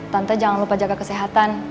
tante jangan lupa jaga kesehatan